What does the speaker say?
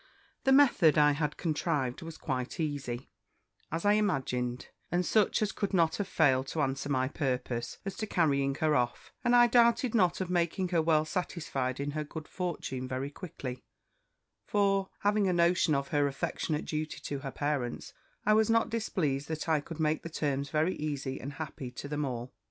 "The method I had contrived was quite easy, as I imagined, and such as could not have failed to answer my purpose, as to carrying her off; and I doubted not of making her well satisfied in her good fortune very quickly; for, having a notion of her affectionate duty to her parents, I was not displeased that I could make the terms very easy and happy to them all.